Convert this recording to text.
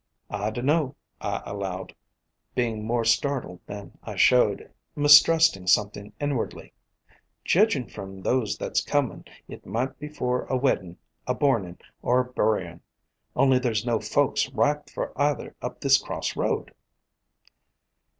"'I dunno,' I allowed, bein' more startled than I showed, mistrustin' somethin' inwardly. 'Jedging from those that 's comin' it might be for a weddin', a bornin', or a bury in', only there 's no folks ripe for either up this cross road.'